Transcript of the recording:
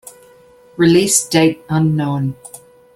Release date unknown.